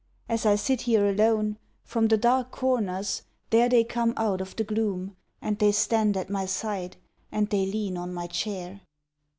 As I sit here alone, from the dark corners there They come out of the gloom, And they stand at my side and they lean on my chair.